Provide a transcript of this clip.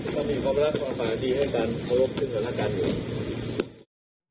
ตอนนี้ความรักความปลายดีให้กันพรบถึงเหลือและกันอยู่